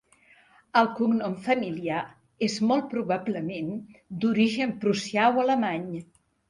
El cognom familiar és molt probablement d'origen prussià o alemany.